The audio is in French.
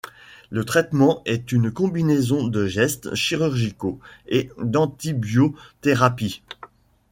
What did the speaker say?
Le traitement est une combinaison de geste chirurgicaux et d'antibiothérapie.